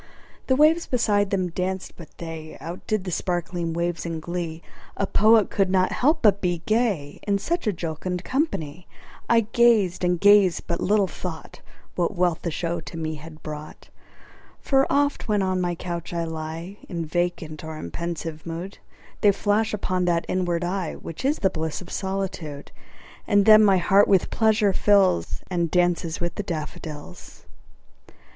The waves beside them danced; but they Out did the sparkling waves in glee: A poet could not but be gay, In such a jocund company: I gazed–and gazed–but little thought What wealth the show to me had brought: For oft, when on my couch I lie In vacant or in pensive mood, 20 They flash upon that inward eye Which is the bliss of solitude; And then my heart with pleasure fills, And dances with the daffodils.